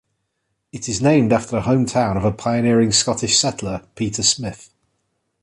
It is named after the hometown of a pioneering Scottish settler, Peter Smith.